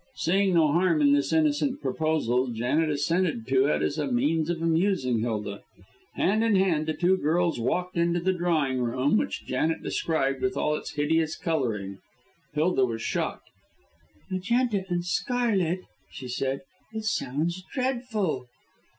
Seeing no harm in this innocent proposal, Janet assented to it as a means of amusing Hilda. Hand in hand the two girls walked into the drawing room, which Janet described in all its hideous colouring. Hilda was shocked. "Magenta and scarlet," she said; "it sounds dreadful!"